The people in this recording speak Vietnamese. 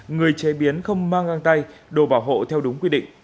người chế biến không mang ngang tay đồ bảo hộ theo đúng quy định